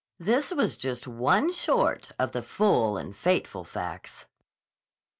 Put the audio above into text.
This was just one short of the full and fateful facts.